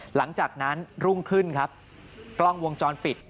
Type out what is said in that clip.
หลังจากนั้นรุ่งขึ้นครับกล้องวงจรปิด